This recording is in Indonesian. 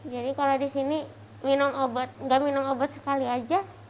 jadi kalau di sini minum obat nggak minum obat sekali aja